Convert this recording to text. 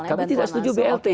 nah kami tidak setuju blt